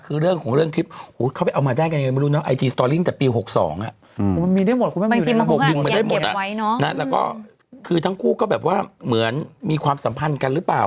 คุณแม่งคุณแม่งอยากเก็บไว้เนอะแล้วก็คือทั้งคู่ก็แบบว่าเหมือนมีความสัมพันธ์กันหรือเปล่า